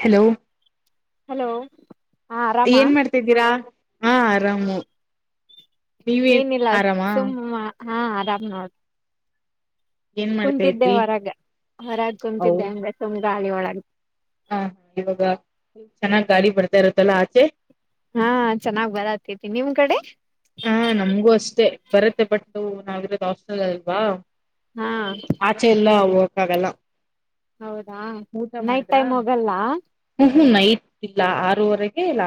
Hello hello ಹಾ ಆರಾಮ ಏನ್ ಮಾಡ್ತಿದ್ದೀರಾ? ಹಾ ಆರಾಮು ನೀವೇನ್ ಏನಿಲ್ಲ ಆರಾಮಾ ಸುಮ್ಮ ಹಾ ಆರಾಮ್ ನೋಡ ಏನ್ ಮಾಡ್ತಾ ಕುಂತಿದ್ದೆ ಇದ್ರಿ ಹೊರಗ ಹೊರಾಗ್ ಕುಂತಿದ್ದೆ ಹಂಗ್ ತು ಮ್ ಗಾಳಿ ಒಳ [inaudible] ಹ ಇವಾಗ ಚೆನ್ನಾಗ್ ಗಾಳಿ ಬರ್ತಾ ಇರತ್ತಲ್ಲಾ ಆಚೆ ಹಾ ಚೆನ್ನಾಗ್ ಬರತಿತಿ ನಿಮ್ ಕಡೆ ಹಾ ನಮ್ಗೂ ಅಷ್ಟೇ ಬರತ್ತೆ ಬಟ್ ನಾವಿರೋದು ಹಾಸ್ಟೆಲ್ ಅಲ್ವಾ ಹಾ ಆಚೆ ಎಲ್ಲ ಅವ್ ಅಗಲ್ಲಾ ಹೌದಾ ನೈಟ್ ಟೈಮ್ ಹೋಗಲ್ಲ ಹ ನೈಟ್ ಇಲ್ಲ ಆರೂವರೆಗೆ ಲ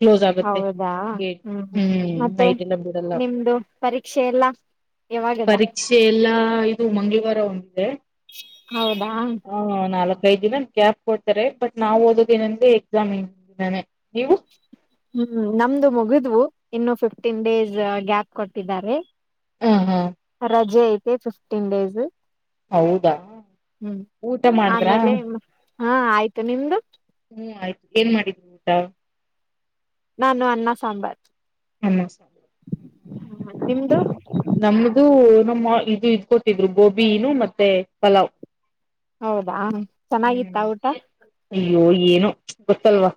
ಕ್ಲೋಸ್ ಆಗುತ್ತೆ ಹೌದಾ ಗೇಟ್ ಹ್ಮ್ ನೈಟ್ ಬಿಡಲ್ಲ ನಿಮ್ದು ಪರೀಕ್ಷೆ ಎಲ್ಲಾ ಯಾವಾಗದ ಪರೀಕ್ಷೆ ಎಲ್ಲಾ ಇದು ಮಂಗಳವಾರ [unintelligible] ಹೌದಾ ಐದು ದಿನ ಗ್ಯಾಪ್ ಕೊಡ್ತಾರೆ ಬಟ್ ನಾವ್ ಓದೋದೇ ಏನಂದೇ ಎಕ್ಸಾಮ್ ಇಂದಿನ ದಿನಾನೆ ಹ್ಮ್ ನಮ್ದು ಮುಗಿದ್ವು ಇನ್ನು ಫಿಫ್ಟೀನ್ ಡೇಸ್ ಗ್ಯಾಪ್ ಕೊಟ್ಟಿದ್ದಾರೆ ಹ ಹಾ ರಜೇ [unintelligible] ಫಿಫ್ಟಿನ್ ಡೇಸ್ ಹೌದಾ ಹ್ಮ್ ಊಟ ಮಾಡಿದ್ರಾ ಆಮೇಲೆ ಹಾ ಆಯ್ತು ನಿಮ್ದು ತ್ತ ನಾನು ಅನ್ನ ಸಾಂಬಾರ್ ಅನ್ನ ಸಾರು ಹ ನಿಮ್ದು ನಮ್ದು ನಮ್ಮ ಇದು ಇದ್ಕೊತಿದ್ರು ಗೋಬಿನು ಮತ್ತೆ ಪಲಾವ್ ಹೌದಾ ಚೆನ್ನಾಗಿತ್ತ ಹ್ಮ್ ಊಟ ಅಯ್ಯೋ ಏನು ಗೊತ್ತಲ್ವಾ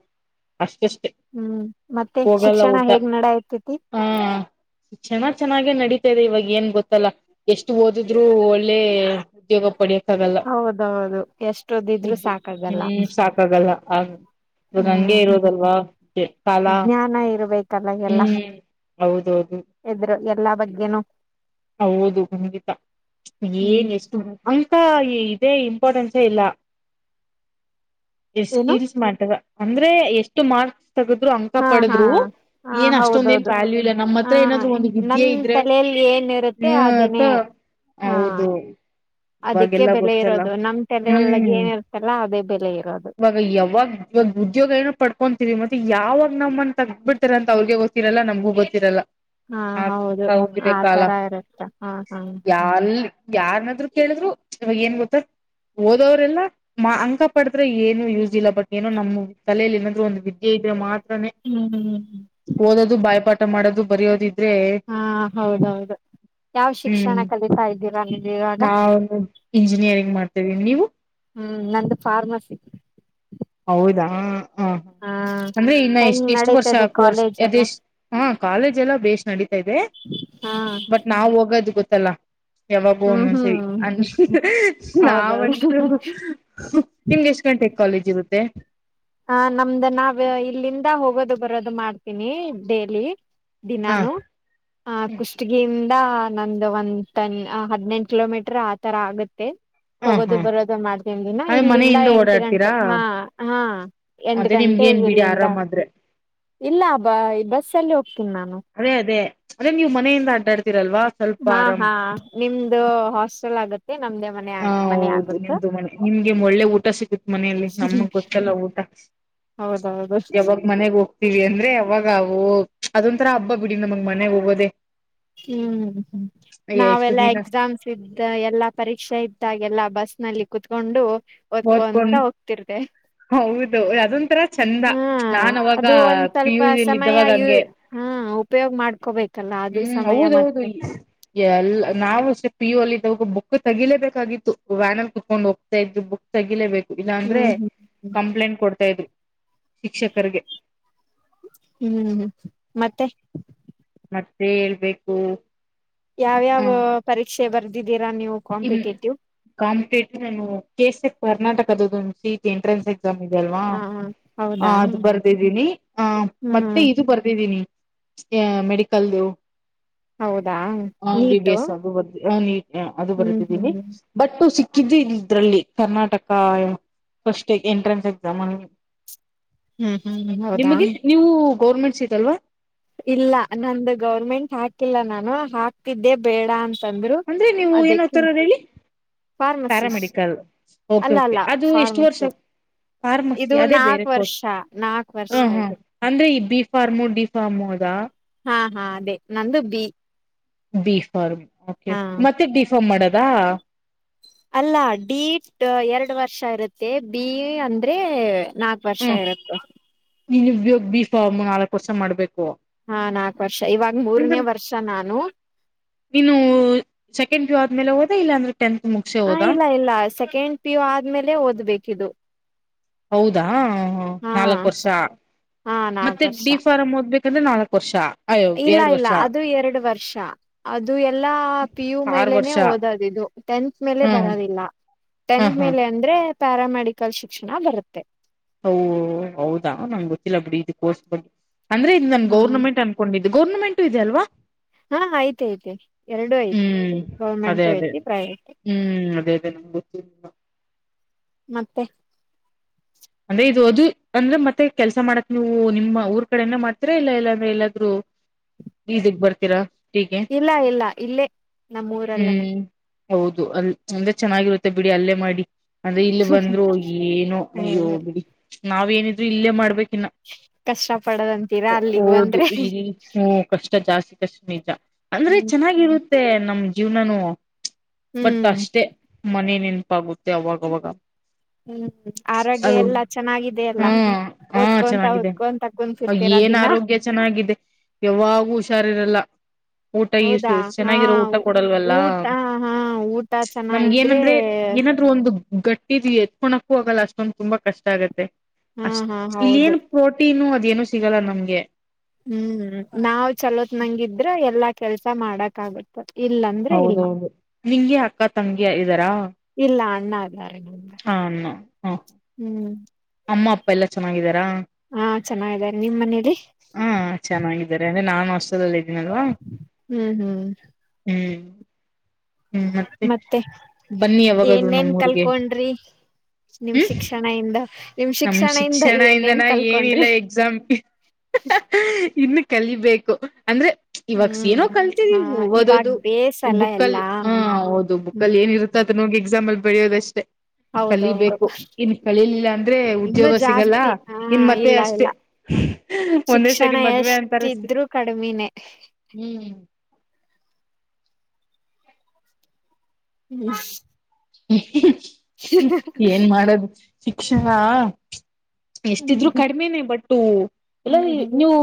ಅಷ್ಟಷ್ಟು ಹ್ಮ್ ಮತ್ತೆ ಶಿಕ್ಷಣ ಹೇಗ್ ನಡ ಆತಿ ಎನ್ ಹಾ ಚೆನ್ನಾಗೆ ನಡೀತಾ ಇದೆ ಇವಾಗ ಏನ್ ಗೊತ್ತಲ್ಲ ಎಷ್ಟು ಓದಿದ್ರು ಒಳ್ಳೆ ಉದ್ಯೋಗ ಪಡೆಯೋಕೆ ಕಷ್ಟ ಹೌದೌದು ಎಷ್ಟೊ ಓದಿದರು ಸಾಕಾಗಲ್ಲ ಹೌದ ಇವಾಗ ಹಂಗೆ ಹ್ಮ್ ಇರೋದು ಅಲ್ವಾ ಕಾಲ ಹೌದೌದು ಇದರದು ಎಲ್ಲಾ ಬಗ್ಗೆನು ಹೌದು ಖಂಡಿತಾ ಹ್ಮ್ ಏನ್ ಎಷ್ಟು ಅಂತ ಇದೇ ಇಂಪಾರ್ಟೆನ್ಸೇ ಇಲ್ಲ ಎ ಏನು ಸ್ಕಿಲ್ಸ್ ಮಾಡಿದಾಗ ಅಂದ್ರೆ ಎಷ್ಟು ಮಾರ್ಕ್ಸ್ ತಗದ್ರು ಅಂಕ ಹಾ ಹಾ ಪಡದ್ರು ಹ ಏನ್ ಅಷ್ಟೊಂದ ಏನ್ ಹೌದೌದು ವ್ಯಾಲ್ಯೂ ಇಲ್ಲ ನಮ್ಮ ಹ ಹತ್ರ ಏನಾದ್ರು ಒಂದ್ ನಮ್ ವಿದ್ಯೆ ಇದ್ರೆ ತಲೆಯಲ್ಲಿ ಏನಿರುತ್ತೆ ಹ್ಮತ ಅದೇನೇ ಹಾ ಹೌದು ಅದಕ್ಕೆ ಇವಾಗೆಲ್ಲ ಬೆಲೆ ಗೊತ್ತಲ್ಲ ಇರೋದು ನಮ್ ತಲೆಯೊಳಗೆ ಹ್ಮ್ ಏನ್ ಇರ್ತಲ್ಲ ಅದೇ ಬೆಲೆ ಇರೋದು ಇವಾಗ ಯಾವಾಗ ಇವಾಗ ಉದ್ಯೋಗ ಏನ ಪಡ್ಕೊಂತೀರಿ ಮತ್ತೆ ಯಾವಾಗ ನಮ್ಮನ್ ತಗಿ ಬಿಡ್ತ ಅ ಅವ್ರಗ ಗೊತ್ತಿರಲ್ಲ ನಮಗೂ ಗೊತ್ತಿರಲ್ಲ ಹಾ ಹೌದು ಆಗ್ತಾ ಹೋಗಿದೆ ಆ ಕಾಲ ತರ ಇರುತ್ತ ಹಾ ಹಾ ಯಾಲ್ ಯಾರನಾದ್ರು ಕೇಳಿದ್ರು ಇವಾಗ ಏನ್ ಗೊತ್ತ ಓದವರೆಲ್ಲ ಅಂಕ ಪಡದ್ರೆ ಏನು ಯೂಸ್ ಇಲ್ಲ ಬಟ್ ಏನೋ ನಮ್ಮ್ ತಲೆಯಲ್ಲಿ ನಾದ್ರು ಒಂದು ವಿದ್ಯೆ ಇದ್ರೆ ಮಾತ್ರ ಹ್ಮ್ ಹ್ಮ್ ಓದೋದು ಬಾಯಪಟ್ಟ ಮಾಡೋದು ಬರಯೋದ ಹಾ [inaudible] ಹೌದೌದು ಯಾವ ಶಿಕ್ಷಣ ಹ್ಮ್ ಕಲಿತಾ ಇದ್ದೀರಾ ನೀವು ಇವಾಗ ನಾ ಇಂಜಿನಿಯರಿಂಗ್ ಮಾಡ್ತಿದ್ದೀನಿ ನೀವು ಹ್ಮ್ ನಂದು ಫಾರ್ಮಸಿ ಹೌದಾ ಹ ಹಾ ಅಂದ್ರೆ ಇನ್ನ ಹೆಂಗ್ ಎಷ್ಟ ಎಷ್ಟ ವರ್ಷ ನಡೀತದೆ ಕೋರ್ಸ್ ಕಾಲೇಜ್ ಎಲ್ಲ ಅದೆಷ್ಟ ಹ ಕಾಲೇಜ್ ಎಲ್ಲ ಬ ನಡಿ [inaudible] ಇದೆ ಹಾ ಬಟ್ ನಾವ್ ಹೋಗೋದು ಗೊತ್ತ [unintelligible] ಲ್ಲ [inaudible] ಯಾವಾಗೂ ಹ್ಮ್ ಒಂದೊಂದ್ ಸರಿ ಹ್ಮ್ ಅಂದ ಹೌದೌದು ನಾವಂತೂ ನಿಮ್ಗೆ ಎಷ್ಟ್ ಗಂಟೆ [inaudible] ಕಾಲೇಜ್ [unintelligible] ತ್ತ [inaudible] ಹ ನಮ್ದ ನಾವ್ ಇಲ್ಲಿಂದ ಹೋಗೋದು ಬರೋದು ಮಾಡ್ತೀನಿ ಡೇಲಿ [unintelligible] ಹಾ ದಿನಾನು ಆ ಕುಷ್ಟಗಿ [unintelligible] ನಂದು್ದ ಒಂದು್ ಹದಿನೆಂಟು ಕಿಲೋಮೀಟರ್ ಆತರ ಆಗುತ್ತೆ [unintelligible] ಹ ಹೋಗೋದು ಹಾ ಬರೋದು ಮಾಡ್ತೀನ್ ದಿನಾ ಅದೇ ಇಲ್ಲಿಂದ ಮನೆಯಿಂದ ಎಂಟು ಓಡಾಡ್ತೀರಾ ಗಂಟೆ ಹಾ ಹಾ [unintelligible] ಎಂಟ ಅದೇ ನಿಮ್ಗ ಗಂಟೆ ಏನ್ ಬಿಡಿ ಇಲ್ಲಿಂದ ಆರಾಮ್ ಆದ್ರೆ ಇಲ್ಲ ಬ ಈ ಬಸಲ್ಲಿ ಹೋಗ್ತೀನಿ ನಾನು [unintelligible] ಅದೇ ಅದೇ ಅದೆ ನೀವು ಮನೆಯಿಂದ ಅಡ್ಡಾಡ್ತಿರಲ್ವಾ [unintelligible] ಹಾ ಆರಾಮ್ ಹಾ [unintelligible] ನಿಮ್ದು ಹಾಸ್ಟೆಲ್ ಆಗುತ್ತೆ [unintelligible] ಮನೆ ಹಾ ಆಗ್ ಮನೆ ಹೌದು ನಿಮ್ದು ಮನೆ ನಿಮ್ಗೆ ಒಳ್ಳೆ ಊಟ ಸಿಗತ್ ಮನೆಯಲ್ಲಿ ನಮಗ್ ಗೊತ್ತಲ್ಲ ಊಟ ಹೌದೌದು ಯಾವಾಗ ಮನೆಗ್ ಹೋಗ [unintelligible] ವಿ ಅಂದ್ರೆ ಅವಾಗ ವು ಅದೊಂ ತರಾ ಹಬ್ಬ ಬಿಡಿ ನಮಗ್ ಮನೆಗ್ ಹೋಗೋದೆೇ [unintelligible] ಹ್ಮ್ ಹ್ಮ್ ಎಷ್ಟು ನಾವೆಲ್ಲಾ ದಿನ ಎಕ್ಸಾಮ್ಸ್ ಇದ್ದ ಎಲ್ಲಾ ಪರೀಕ್ಷೆ ಕತ್ತಾಗೆಲ್ಲ ಬಸ್ ನಲ್ಲಿ ಕೂತ್ಕೊಂಡು ಓದಕೊಂಡ್ ಹೌದು ಅದೊಂತರ ಚಂದ ಹ್ಮ್ ನಾನ್ ಅವಾಗ ಅದು ಒಂದ್ ಪಿ ಸ್ವಲ್ಪ ಯು ಅಲ್ಲಿ ಇದ್ದವಾಗ ಹಂಗೆ ಉಪಯೋಗ್ ಮಾಡ್ಕೋಬೇಕು ಹ್ಮ್ ಹೌದೌದು ಈ ಎಲ್ಲ ನಾವು ಅಷ್ಟೆ ಪಿ ಯು ಅಲ್ಲಿ ಇದಾವ ಬುಕ್ ತೆಗಿಲೇಬೇಕಾಗಿತ್ತು. ವ್ಯಾನಲ್ ಕುೂತ್ಕೊಂಡು ಹೋಗ್ತಾ ಇದ್ರು ಬುಕ್ ತಗಿಲೇಬೇಕು ಇಲ್ಲಾಂದ್ರೆ ಹ್ಮ್ ಹ್ಮ್ ಕಂಪ್ಲೇಂಟ್ ಕೊಡ್ತಾ ಇದ್ವಿ ಶಿಕ್ಷಕರಗೆ. ಹ್ಮ್ ಮತ್ತೆ. ಮತ್ತೆ ಹೇಳ್ಬೇಕು. ಹ ಏ ಬರ್ದಿದಿ. ಅಕ್ಕ ನೀವು ಕಾಂಪಿಟೇಟಿವ್. ಅಕ್ಕ ನೀವು ಕೆಸೆಟ್ ಕರ್ನಾಟಕದ ಒಂದ ಸೀಟ್ ಎಂಟ್ರೆನ್ಸ್ ಎಕ್ಸ್ಮ್. ಎಕ್ಸಾಮ್ ಇದೆ ಅಲ್ವಾ ಹಾ ಹಾ ಹ ಹೌದಾ ಅದು ಬರ್ದಿದ್ದೀನಿ ಆ ಮತ್ತೆ ಹ್ಮ್ ಇದು ಬರ್ದಿದ್ದೀನಿ. ಸ್ಟೆ ಮೆಡಿಕಲ್ ದೂ. ಹೌದಾ ನೀಟು. ಹ ನೀಟ್. ಅದು ಹ್ಮ್ ಬರೆದಿದ್ದೀನಿ ಹ್ಮ್ ಬಟ್ ಸಿಕ್. ಕಿದ್ದ ಇದ್ರಲ್ಲಿ ಕರ್ನಾಟಕ ಫಸ್ಟ್ ಎಂಟ್ರೆನ್ಸ್ ಎಕ್ಸಾಮ್ ಅ. ಹ್ಮ್ ಹ್ಮ್ ಹೌದಾ. ಗೌರ್ಮೆಂಟ್ ಸೀಟ್ ಅಲ್ವಾ. ಇಲ್ಲ ನಂದು ಗೌರ್ಮೆಂಟ್ ಹಾಕಿಲ್ಲ ನಾನು ಹಾಕ್ತಿದ್ದೆ ಬೇಡ ಅಂತ್. ಅಂದ್ರೆ ನೀವು ಎನ್ ಒತ್ತಾ ಇರೋದು ಹೇಳಿ ಫಾರ್ಮಸಿಸ್ ಪ್ಯಾರಾಮೆಡಿಕಲ್ ಓಕೆ ಅಲ್ಲ ಓಕೆ ಅಲ್ಲ ಅದು ಎಷ್ಟು ವರ್ಷ ಫಾರ್ಮಸಿ ಫಾರ್ಮಸಿ ಇದು ಅದೇ ಬೇರೆ ನಾಕ್ ಕೋರ್ಸ್ ವರ್ಷ ನಾಕ್ ವರ್ಷ ಹ ಹಾ ಇದು ಅಂದ್ರೆ ಈ ಬೀಫ. ಫಾರ್ಮು ಡಿಫಾರ್ಮೋ ಅದಾ. ಹಾ ಹಾ ಅದೇ ನಂದು ಬಿ. ಬಿಫರ್ಮ್. ಓಕೆ ಹಾ ಮತ್ತೆ ಡಿಫಾರ್ಮ್ ಮಾಡದು. ರಾ. ಅಲ್ಲ ಡೀಟ್ ಎರಡು ವರ್ಷ ಇರುತ್ತೆ ಬಿಎ ಅಂದ್ರೆ ನಾಕ್ ವರ್ಷ ಇರುತ್ತೆ ನೀನ್ ಇವಾಗ್ ಭಿ ಬೀಫಾಮ್ ನಾಲಕ್ ವರ್ಷ ಮಾಡ್ಬೇಕು. ಹಾ ನಾಕ್ ವರ್ಷ ಇವಾಗ ಮೂರನೇ ಅಂದ್ರೆ ವರ್ಷ ನಾನು. ನೀನು ಸೆಕೆಂಡ್ ಪಿಯು ಆದ್ಮೇಲೆ ಇಲ್ಲ ಅಂದ್ರ. ಹ ಇಲ್ಲ ಇಲ್ಲ ಸೆಕೆಂಡ್ ಪಿ ಯು ಆದ್ಮೇಲೆ ಓದ್ಬೇಕ ಇದು. ಹೌದಾ. ಹ ಹಾ ನಾಲ್ಕು ವರ್ಷ ಹಾ ನಾಕ್ ಮತ್ತೆ ವರ್ಷ ಡಿ ಫಾರಂ ಓದ್ಬೇಕ. ಅಂದ್ರೆ ನಾಲ್ಕ ವರ್ಷಾ ಇಲ್ಲ ಇಲ್ಲ ಅದು ಎರಡು ವರ್ ಇದು ಎಲ್ಲಾ ಪಿ ಯು ಆರು ಮೇಲೆೇ ವರ್ಷ ಓದದಿದು ಟೆಂಥ್ ಮೇಲೆ ಹ್ಮ್ ಬರೋದಿಲ್ಲ ಹಾ ಟೆಂತ್ ಹಾ ಮೇಲೆ ಅಂದ್ರೆ ಪ್ಯಾರ ಮೆಡಿಕಲ್ ಶಿಕ್ಷಣ ಬರುತ್ತೆ ಹೌ ಹೌದಾ ನಂಗ್ ಗೊತ್ತಿಲ್ಲ ಬಿಡಿ ಇದಕ್ಕೋಸ್ ಬಗ್ ಅಂದ್ರೆ ಇ ನಮನ್ ಹ್ಮ್ ಗೌರ್ಮಂಟ್ ಅನ್ಕೊಂಡಿದ್ದಿ ಗೌರ್ನಮೆಂಟು ಇದೆ ಅಲ್ವಾ? ಹಾ ಐತಿ ಐತೆ ಎರಡುೂ ಐತೆ ಹ್ಮ್ ಗೌರ್ಮೆಂಟು ಐತಿ ಪ್ರೈವೇಟು ನಮ್ಗ ಗೊತ್ತು ಮತ್ತೆ ಅದೆ ಇದು ಅದು ಅಂದ್ರೆ ಮತ್ತೆ ಕೆಲ್ಸ ಮಾಡಕ್ ನೀವು ನಿಮ್ಮ ಊರ್ ಕಡೆನ ಮಾಡ್ತೀರಾ ಇಲ್ಲ ಎಲ್ಲಾನ ಅಂದ್ರೆ ಎಲ್ಲಾದ್ರು ಪಿಜಿ ಗ ಬರ್ತೀರಾ? ಟೀಗೆ ಇಲ್ಲ ಇಲ್ಲ ಇಲ್ಲೇ ನಮ್ಮೂರಲ್ಲನೇ ಹ್ಮ್ ಹೌದು ಅಲ್ ಅಂದ್ರೆ ಚೆನ್ನಾಗಿರುತ್ತೆ ಬಿಡಿ ಅಲ್ಲೇ ಮಾಡಿ ಅದ ಇಲ್ಲಿ ಬಂದ್ರು ಏನೋ ಅಯ್ಯೋ ಬಿಡಿ ನಾವ್ ಏನಿದ್ರು ಇಲ್ಲೇ ಮಾಡ್ಬೇಕು ಇನ್ನ ಕಷ್ಟ ಪಡದಂತೀರಾ ಹ ಅಲ್ಲಿಗ್ ಹೌದು ಬಂದ್ರೆ ಪಿಜಿ ಹ್ಮ ಕಷ್ಟ ಜಾಸ್ತಿ ಕಷ್ಟ ನಿಜ ಅಂದ್ರೆ ಹ್ಮ್ ಚೆನ್ನಾಗಿರು ಇರುತ್ತೆ ನಮ್ ಜೀವನಾನು ಬಟ್ ಹ್ಮ್ ಅಷ್ಟೆ ಮನೆ ನೆನಪಾಗುತ್ತೆ ಅವಾಗ ಅವಾಗ ಹ್ಮ್ ಆರೋಗ್ಯ ಅದು ಎಲ್ಲಾ ಚೆನ್ನಾಗಿದೆ ಅಲ್ಲ ಹಾ ಹ ಓದ್ಕೊಂತ ಚೆನ್ನಾಗಿದೆ ಓದ್ಕೊಂತ ಕುಂತಿರ್ತೀರಾ ಏನ್ ದಿನ ಆರೋಗ್ಯ ಚನ್ನಾಗಿದೆ ಹ್ಮ ಹ್ಮ ಚೆನ್ನಾಗಿದೆ ಅ ಏನ ಆರೋಗ್ಯ ಚೆನ್ನಾಗಿದೆ, ಯಾವಾಗೂ ಹುಷಾರಿರಲ್ಲ ಊಟ ಇಷ್ಟ ಹೌದಾ ಹಾ ಚೆನ್ನಾಗಿರೋ ಊಟ ಕೊಡಲ್ವಲ್ಲ ಊಟ ಹಾ ಊಟ ನಮ್ಗೆ ಚೆನ್ನಾಗಿದ್ರೆ ಏನಂದ್ರೆ ಏನಾದ್ರು ಒಂದು. ಗಟ್ಟಿದ ಎತ್ತಕೋನಕ್ ಹೋಗಲ್ಲ ಅಷ್ಟೊಂದು ತುಂಬಾ ಕಷ್ಟ ಆಗತ್ತೆ ಹಾ ಅಷ್ಟ ಹಾ ಇಲ್ಲಿ ಹೌದು ಏನ ಪ್ರೋಟೀನು ಅ ಏನು ಸಿಗಲ್ಲ ನಮ್ಗೆ ಹ್ಮ್ ನಾವ್ ಚಲೋತ್ ನಂಗಿದ್ರ ಎಲ್ಲಾ ಕೆಲ್ಸಾ ಮಾಡಕ ಆಗುತ್ತ ಇಲ್ಲಾಂದ್ರೆ ಇಲ್ಲ ಹೌದೌದು ನಿಂಗೆ ಅಕ್ಕ ತಂಗಿ ಇದಾರಾ [inaudible] ಯಾರಿಗೆ ಗೊತ್ತ ಹ್ಮ್ ಅಮ್ಮ ಅಪ್ಪ ಎಲ್ಲ ಚೆನ್ನಾಗಿದಾರ ಹಾ ಚೆನ್ನಾಗಿದ್ದಾರೆ ನಿಮ್ ಮನೇಲಿ ಹ್ಮ ಹ ಚೆನ್ನಾಗಿದ್ದಾರೆ ಅಂದ್ರೆ ನಾನು [unintelligible] ಏನವಾ ಹ್ಮ್ ಹ್ಮ್ ಹ್ಮ್ [inaudible] ಮತ್ತೆ ಬನ್ನಿ ಯಾವಾಗಾದ್ರು ಏನೇನ್ ನಮ್ಮೂರ್ಗೆ ಕಲ್ಕೊಂಡ್ರಿ ನಿಮ್ ಹ್ಮ್ ಶಿಕ್ಷಣ ಇಂದ ನಿಮ್ ನಮ್ ಇಂದ ಶಿಕ್ಷಣ ಏನೇನ್ ಇಂದನ ಏನಿಲ್ಲ ಕಲ್ಕೊಂಡ್ರಿ ಎಕ್ಸಾಮ್ಗೆ ಇನ್ನು ಕಲಿಬೇಕು ಅಂದ್ರೆ ಇವಾಗ ಸೀನೋ ಹ್ಮ್ ಹಾ ಕಲ್ತಿದಿಲ್ ಇವಾಗ ಓದೋದು ಬೇಸಲ್ಲ ಬುಕ್ಕಲ್ಲಿ ಎಲ್ಲಾ ಹ ಹ ಓದು ಹ್ಮ್ ಬುಕ್ಕಲ್ಲಿ ಏನಿರುತ್ತ ಅದನ್ನ ಹೋಗಿ ಎಕ್ಸ್ ಜಾಮಲ್ ಬೈಯೋದಷ್ಟೇ ಹೌದೌದು ಕಲಿಬೇಕು ಇನ್ ಕಲಿಲ್ಲ ಅಂದ್ರೆ ಇನ್ನು ಉದ್ಯೋಗ ಸಿಗಲ್ಲ ಜಾಸ್ತಿ ಹಾ ಇನ್ ಮತ್ತೆ ಇಲ್ಲ ಇಲ್ಲ ಅಷ್ಟೇ ಒಂದೇ ಶಿಕ್ಷಣ ಸರಿ ಮದ್ವೆ ಅಂತಾರೆ ಅಷ್ಟೆ ಎಷ್ಟಿದ್ರು ಕಡಿಮಿನೇ ಹ್ಮ ಹ್ಮ್ [unintelligible] ಹ್ಮ್ ಇ ಏನ್ ಮಾಡದು ಶಿಕ್ಷಣಾ ಎಷ್ಟಿದ್ರು ಕಡಿಮೆನೆ ಬಟ್ಟು ಎಲ್ಲ ನೀವು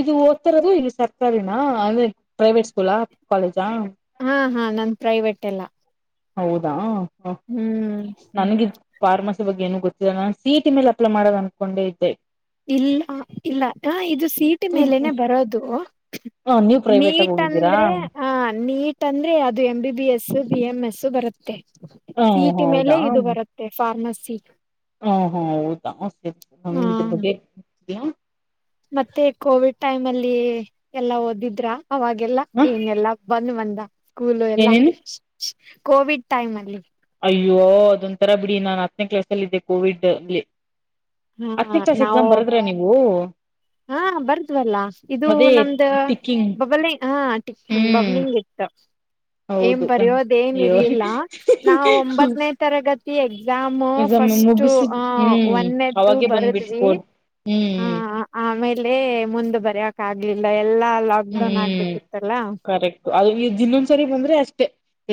ಇದು ರ ಈಗ ಸರ್ಕಾರಿನ ಅಂದ್ರೆ ಪ್ರೈವೇಟ್ ಸ್ಕೂಲ್ ಕಾಲೇಜ್ ಹಾ ಹಾ ನನ್ ಪ್ರೈವೇಟ್ ಎಲ್ಲ ಹೌದಾ ಹ್ಮ್ ನನಗಿದು ಫಾರ್ಮಸಿ ಬಗ್ಗೆ ಏನ ಗೊತ್ತಿಲ್ಲ ನಾನು ಸಿ ಇ ಟಿ ಮೇಲೆ ಅಪ್ಲೈ ಮಾಡೋನ ಅನ್ಕೊಂಡೆ ಇದ್ದೆ ಇಲ್ಲ ಇಲ್ಲ ಇದು ಸಿಇಟಿ ಮೇಲೆನೆ ಬರೋದು ಹ ನೀವು ಪ್ರೈವೇಟ್ ಆಗ ನೀಟ್ ಹೋಗಿದ್ದೀರಾ ಅಂದ್ರೆ ಆ ನೀಟ್ ಅಂದ್ರೆ ಅದು M B B S B M S ಬರುತ್ತೆ ಹ ಸಿಇಟಿ ಮೇಲೆ ಹೌದಾ ಇದು ಬರುತ್ತೆ ಫಾರ್ಮಸಿ ಸಿ ಹ ಹಾ ಹೌದ ಸರ್ ಹ ಅಂದ್ರು ಬಗ್ಗೆ ಬ್ಯಾ ಮತ್ತೆ ಕೋವಿಡ್ ಟೈಮ್ ಅಲ್ಲಿ ಎಲ್ಲಾ ಓದಿದ್ರ ಅವಾಗೆಲ್ಲ ಹ ಏನೆಲ್ಲಾ ಬಂದ ಮಂದ ಸ್ಕೂಲು ಎಲ್ಲ ಏನೇನು ಕೋವಿಡ್ ಟೈಮ್ ಅಲ್ಲಿ ಅಯ್ಯೋ ಅದೊಂತರ ಬಿಡಿ ನಾನ್ ಹತ್ತನೇ ಕ್ಲಾಸ್ ಅಲ್ಲಿ ಇದ್ದೆ ಕೋವಿಡ್ ಅಲ್ಲಿ ಹಾ ಹತ್ತನೇ ಕ್ಲಾಸ್ ನಾವು ಎಕ್ಸಾಮ್ ಬರದ್ರ ನೀವು ಹಾ ಬರ್ದ್ವಲ್ಲ ಇದು ಅದೇ ನಮ್ದ ಟಿಕ್ಕಿಂಗ್ ಬಬಲಿಂಗ್ ಹಾ ಟಿಕಿಂಗ್ ಹ್ಮ್ ಬಬಲಿಂಗ್ ಇತ್ತು ಏನ್ ಹೌದು ಕಣ್ ಬರೆಯೋದೇನ್ ಅಯ್ಯೋ ಇರ್ಲಿಲ್ಲ ನಾವು ಒಂಬತ್ತನೇ ತರಗತಿ ಎಕ್ಸಾಮ್ ಎಕ್ಸಾಮ್ ಫಸ್ಟ್ ಅ ಒನ್ನೆ ಅವಾಗೆ ಬಂದ್ಬಿಟ್ಬೋದು ಹ್ಮ್ ಹ್ಮ್ ಆಮೇಲೆ ಮುಂದ್ ಬರಕ ಆಗ್ಲಿಲ್ಲ ಎಲ್ಲಾ ಲಾಕ್ ಡೌನ್ ಹ್ಮ್ ಆಗ್ಬಿಟ್ಟಿತ್ತಲ್ಲ ಕರೆಕ್ಟ್ ಅದು ಇನ್ನೊಂದ್ಸರಿ ಬಂದ್ರ ಅಷ್ಟೆ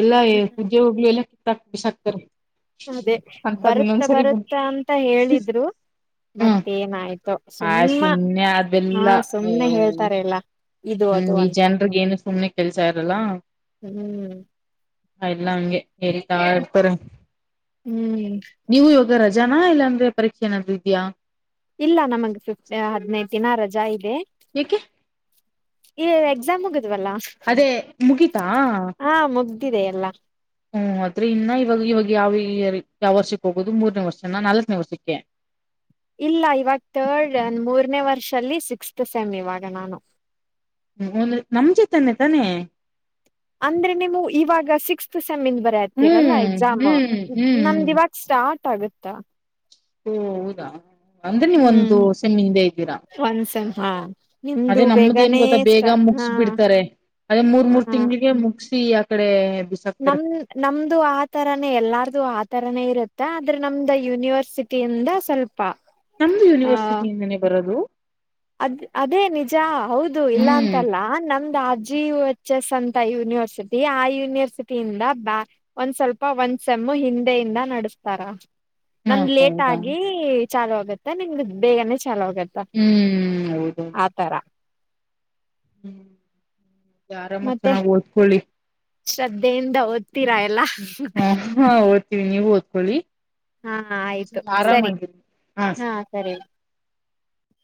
ಎಲ್ಲಾ ಎ ಕುದ್ಯೋಗ್ಲಿ ಎಲ್ಲ ತ ಬಿಸಾಕತ್ರೆ ಅದೇ ಬರುತ್ತ ಬರುತ್ತ ಅಂತ ಹೇಳಿದ್ರು ಹ್ಮ್ ಮತ್ತೇನಾಯ್ತೋ ಆ ಸುಮ್ಮ ಸುಮ್ನೆ ಹಾ ಅದೆಲ್ಲ ಸುಮ್ಮ್ನೆ ಹೇಳ್ತಾರೆ ಎಲ್ಲ ಹ್ಮ್ ಈ ಜನ್ರ್ಗೆ ಏನು ಸುಮನೆ ಕೆಲ್ಸ ಇರಲ್ಲ ಹ್ಮ್ ಹ ಇಲ್ಲಾ ಹಂಗೆ ಹೇಳ್ತಾ ಇರ್ತಾರೆ ಹ್ಮ್ ನೀವು ಈಗ ರಜನ ಇಲ್ಲ ಅಂದ್ರೆ ಪರೀಕ್ಷೆ ಏನಾದ್ರೂ ಇದ್ಯಾಾ ಇಲ್ಲ ನಮಗ್ ಹದಿನೈದು ದಿನ ರಜಾ ಇದೆ ಯಾಕೆ ಎಕ್ಸಾಮ್ ಮುಗಿದ್ವಲ್ಲ ಅದೇ ಮುಗೀತಾ ಮುಗಿದಿದೆ ಎಲ್ಲಾ ಹ್ಮ ಆದ್ರೆ ಇನ್ನ ಇವಾಗ ಇವಾಗ ಯಾವ ಯಾವ ವರ್ಷಕ್ಕೆ ಹೋಗೋದು ಮೂರನೇ ವರ್ಷನ್ನ ನಾಲ್ಕನೇ ವರ್ಷಕ್ಕೆ ಇಲ್ಲ ಇವಾಗ ತರ್ಡ್ ಮೂರನೇ ವರ್ಷಲ್ಲಿ ಸಿಕ್ಸ್ತ್ ಸೆಮ್ ಇವಾಗ ನಾನು ಹ್ಮ ಒಂದು ನಮ ಜೊತನೆೆ ತಾನೆ ಅಂದ್ರೆ ನೀವು ಇವಾಗ ಸಿಕ್ಸ್ತ್ ಸಿಕ್ಸ್ತ್ ಸೆಂ ಗೆ ಬರೆತ್ತಿರಲ್ಲ ಹ್ಮ್ ಎಕ್ಸಾಮ್ ಹ್ಮ್ ಹ್ಮ್ ಹ್ಮ್ ನಮ್ದ ಇವಾಗ ಸ್ಟಾರ್ಟ್ ಗೊತ್ತಾಗುತ್ತಾ ಓ ಹೌದಾ ಅಂದ್ರೆ ಹ್ಮ್ ನೀವೊಂದುಸೆಮ್ಮ ಹಿಂದೆ ಇದ್ದೀರಾ ಒಂದ್ ಸೆಮ್ ಹಾ ನಿಮ್ದು ಅದೇ ನಮ್ದ ಏನ್ ಬೇಗನೆ ಗೊತ್ತಾ ಬೇಗ ಸ್ಟಾ ಹಾ ಮುಗಸ್ ಬಿಡ್ತಾರೆ ಅದೇ ಮೂರ್ ಮೂರ್ ತಿಂಗಳಿಗೆ ಮುಗಸಿ ಯಾ [inaudible] ನಮ ನಮ್ದು ಆತರಾನೇ ಎಲ್ಲಾರ್ದು ಆ ತರಾನೇ ಇರುತ್ತೆ ಆದ್ರೆ ನಮ್ದ ಯೂನಿವರ್ಸಿಟಿಯಿಂದ ಸ್ವಲ್ಪ ನಮ್ದು ಆ ಯೂನಿವರ್ಸಿಟಿಯಿಂದನೇ ಬರೋದು ಅದ್ ಅದೇ ನಿಜ ಹೌದು ಇಲ್ಲ ಹ್ಮ್ ಅಂತಲ್ಲ ನಮ್ದ ಅ ಜಿ ಯು ಎಚ್ ಎಸ್ ಅಂತ ಯೂನಿವರ್ಸಿಟಿ ಆ ಯೂನಿವರ್ಸಿಟಿಯಿಂದ ಬ ಒಂದ್ ಸ್ವಲ್ಪ ಒಂದ್ಸ ಎಮ ಹಿಂದೆಯಿಂದ ನಡೆಸ್ತಾರ ಹಾ ನಮ್ ಲೇಟ್ ಹೌದಾ ಆಗಿ ಚಾಲು ಆಗುತ್ತೆ ನಿಮ್ದು ಬೇಗ ಚಾಲೂ ಆಗತ್ತಾ ಹ್ಮ್ ಹೌದ ಹ್ಮ್್ಮ ಆರಾಮ ಮತ್ತೆ ಚೆನ್ನಾಗ್ ಓದ್ಕೊಳ್ಳಿ ಶ್ರದ್ಧೆಯಿಂದ ಓದಿ ಹ ಹಾ ಓಡ್ತೀವಿ ನೀವು ಓದ್ಕೊಳ್ಳಿ ಹಾ ಆಯ್ತು ಸರಿ ಆರಾಮಾಗಿ ಹಾ ಸರಿ